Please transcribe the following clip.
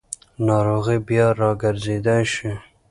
ناروغي بیا راګرځېدای شي.